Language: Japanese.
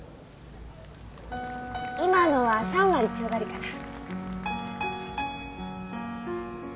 今のは３割強がりかな？